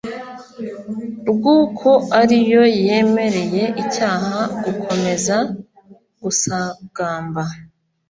rw'uko ari yo yemereye icyaha gukomeza gusagamba